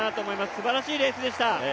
すばらしいレースでした。